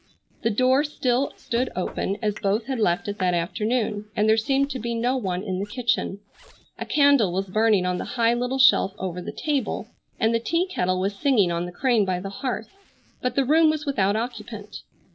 The door still stood open as both had left it that afternoon, and there seemed to be no one in the kitchen. A candle was burning on the high little shelf over the table, and the tea kettle was singing on the crane by the hearth, but the room was without occupant.